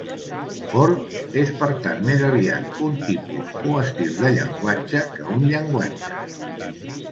Forth és per tant més aviat un tipus o estil de llenguatge que un llenguatge.